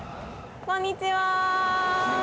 こんにちは。